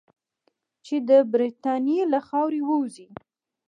چې د برټانیې له خاورې ووځي.